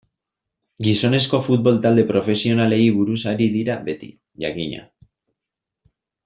Gizonezko futbol talde profesionalei buruz ari dira beti, jakina.